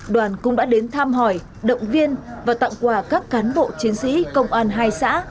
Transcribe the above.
đoàn cũng đã đến thăm hỏi động viên và tặng quà các cán bộ chiến sĩ công an hai xã